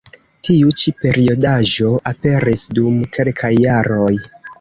Tiu ĉi periodaĵo aperis dum kelkaj jaroj.